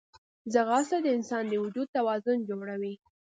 ځغاسته د انسان د وجود توازن جوړوي